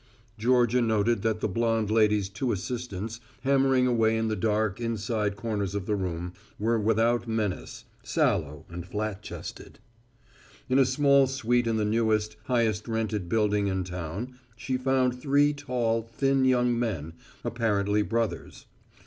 Georgia noted that the blonde lady's two assistants, hammering away in the dark inside corners of the room, were without menace, sallow and flat chested. In a small suite in the newest, highest rented building in town, she found three tall, thin young men, apparently brothers.